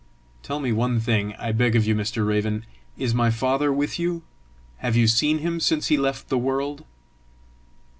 "Tell me one thing, I beg of you, Mr. Raven: is my father with you? Have you seen him since he left the world?"